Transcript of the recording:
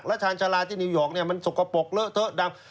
และชาญชาลาที่นิวยอร์กมันสกปรกเลอะเทอะดำ